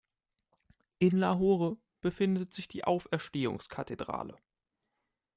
In Lahore befindet sich die Auferstehungs-Kathedrale.